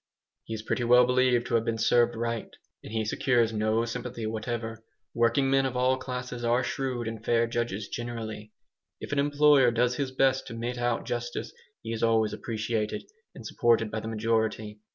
He is pretty well believed to have been served right, and he secures no sympathy whatever. Working men of all classes are shrewd and fair judges generally. If an employer does his best to mete out justice he is always appreciated and supported by the majority.